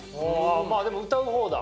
まあでも歌う方だ？